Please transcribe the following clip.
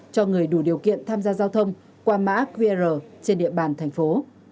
cho người đủ điều kiện tham gia giao thông qua mã qr trên địa bàn thành phố